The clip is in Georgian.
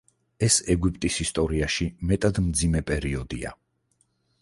ეს ეგვიპტის ისტორიაში მეტად მძიმე პერიოდია.